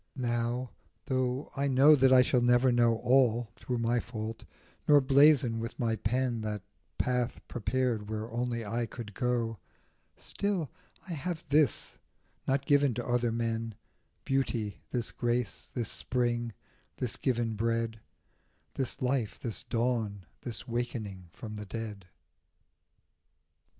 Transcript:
Now, though I know that I shall never know All, through my fault, nor blazon with my pen That path prepared where only I could go, Still, I have this, not given to other men : Beauty, this grace, this spring, this given bread, This life, this dawn, this wakening from the dead.